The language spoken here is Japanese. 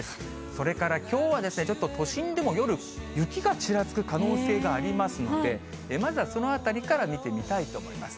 それからきょうは都心でも夜、雪がちらつく可能性がありますので、まずはそのあたりから見てみたいと思います。